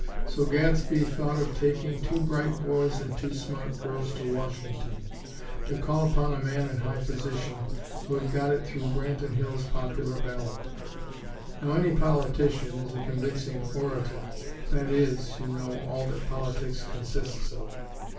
So Gadsby thought of taking two bright boys and two smart girls to Washington, to call upon a man in a high position, who had got it through Branton Hills' popular ballot. Now, any politician is a convincing orator. (That is, you know, all that politics consists of!)